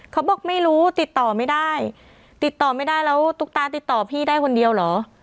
เขาบอกไม่รู้ติดต่อไม่ได้ติดต่อไม่ได้แล้วตุ๊กตาติดต่อพี่ได้คนเดียวเหรอ